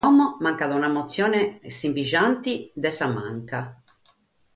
A como mancat una motzione simigiante dae sa manca.